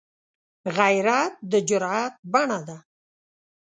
غیرت د جرئت بڼه ده